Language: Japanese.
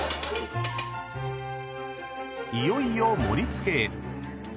［いよいよ盛り付けへ］